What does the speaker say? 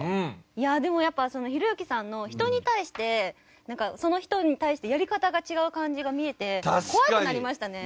いやあでもやっぱひろゆきさんの人に対してその人に対してやり方が違う感じが見えて怖くなりましたね。